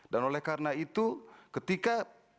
dan oleh karena itu ketika